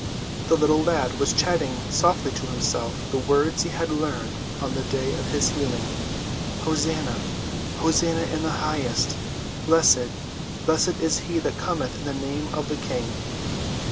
The little lad was chanting softly to himself the words he had learned on the day of his healing: "Hosanna! Hosanna in the highest! Blessed—blessed is he that cometh in the name of the King!"